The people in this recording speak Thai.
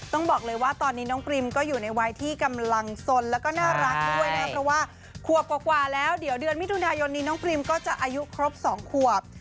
ต้องบอกเลยว่าตอนนี้น้องปริมก็อยู่ในวัยที่กำลังสนแล้วก็น่ารักด้วยนะครับเพราะว่าขวบกว่าแล้วเดี๋ยวเดือนมิถุนายนนี้น้องปริมก็จะอายุครบ๒ขวบ